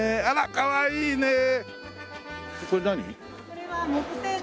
あらかわいいね。